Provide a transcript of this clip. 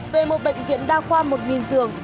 về một bệnh viện đa khoa một nghìn giường